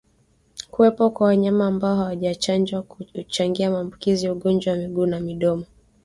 Kuwepo kwa wanyama ambao hawajachanjwa huchangia maambukizi ya ugonjwa wa miguu na midomo